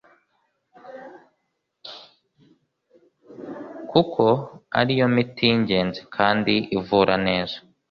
kuko ariyo miti y’ingenzi kandi ivura neza.